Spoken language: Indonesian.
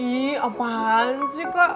ih apaan sih kak